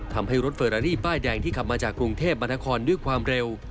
ทำให้รถเฟอรารี่ป้ายแดงที่ขับมาจากกรุงเทพมนาคอนด้วยความเร็ว